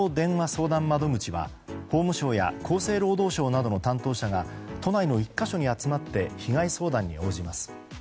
相談窓口は法務省や厚生労働省などの担当者が都内の１か所に集まって被害相談に応じます。